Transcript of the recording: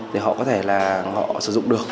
để họ có thể là họ sử dụng được